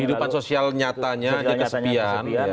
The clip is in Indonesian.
kehidupan sosial nyatanya kesepian